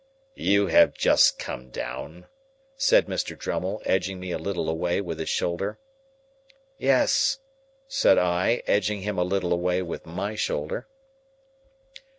"You have just come down?" said Mr. Drummle, edging me a little away with his shoulder. "Yes," said I, edging him a little away with my shoulder.